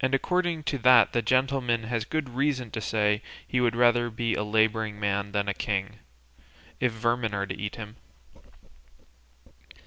And according to that the gentleman has good reason to say he would rather be a labouring man than a king, if vermin are to eat him."